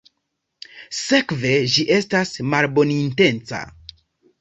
Sekve, ĝi estas malbonintenca.